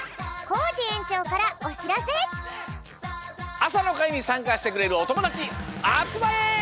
あさのかいにさんかしてくれるおともだちあつまれ！